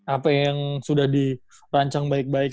apa yang sudah dirancang baik baik